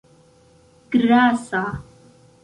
grasa